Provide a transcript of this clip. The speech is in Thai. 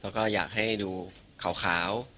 แล้วก็อยากให้ดูขาว